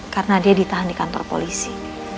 karena dia ditahan di kantor polisi